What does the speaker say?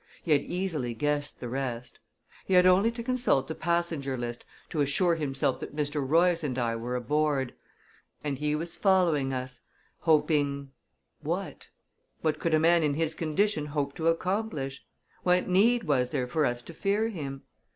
He had easily guessed the rest. He had only to consult the passenger list to assure himself that Mr. Royce and I were aboard. And he was following us, hoping what? What could a man in his condition hope to accomplish? What need was there for us to fear him?